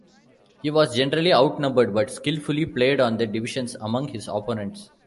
He was generally outnumbered, but skillfully played on the divisions among his opponents.